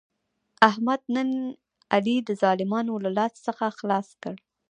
احمد نن علي د ظالمانو له لاس څخه خلاص کړ.